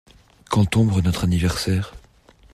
Quand tombe notre anniversaire ?